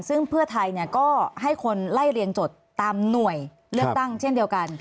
ซึ่งเพื่อไทยก็ให้คนไล่เรียงจดตามหน่วยเลือกตั้งเช่นเดียวกัน